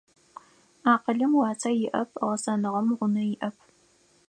Акъылым уасэ иӏэп, гъэсэныгъэм гъунэ иӏэп.